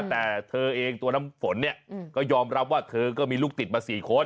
แต่เธอเองตัวน้ำฝนเนี่ยก็ยอมรับว่าเธอก็มีลูกติดมา๔คน